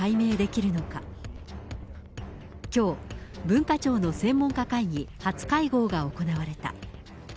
きょう文化庁の専門家会議、初会合が行われた。